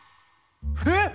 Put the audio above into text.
えっ！